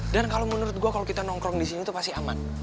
dan kalau menurut gue kalau kita nongkrong disini tuh pasti aman